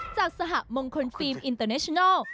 จากสหมงคลฟิล์มอินเตอร์เนชนัล